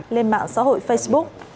lên mạng xã hội facebook